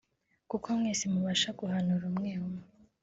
kuko mwese mubasha guhanura umwe umwe